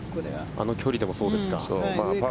あの距離でもそうですか。